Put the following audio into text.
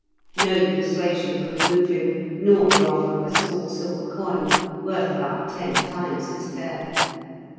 No persuasion could move him; nor the offer of a small silver coin, worth about ten times his fare.